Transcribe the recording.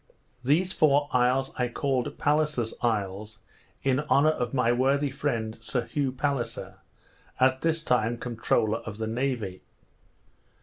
These four isles I called Palliser's Isles, in honour of my worthy friend Sir Hugh Palliser, at this time comptroller of the navy.